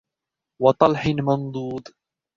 وَطَلْحٍ مَنْضُودٍ